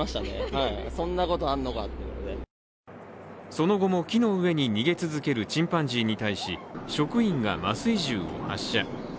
その後も木の上に逃げ続けるチンパンジーに対し、職員が麻酔銃を発射。